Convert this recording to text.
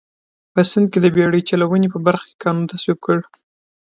په سیند کې د بېړۍ چلونې په برخه کې قانون تصویب کړ.